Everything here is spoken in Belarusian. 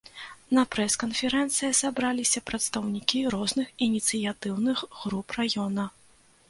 На прэс-канферэнцыі сабраліся прадстаўнікі розных ініцыятыўных груп раёна.